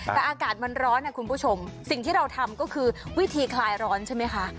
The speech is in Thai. แต่อากาศมันร้อนนะคุณผู้ชมสิ่งที่เราทำก็คือวิธีคลายร้อนใช่ไหมคะ